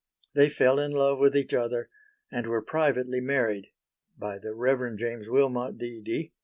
They fell in love with each other and were privately married by the Rev. James Wilmot D. D.